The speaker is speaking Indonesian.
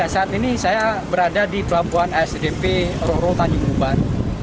saat ini saya berada di pelabuhan asdp roro tanjung uban